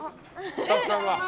スタッフさんが。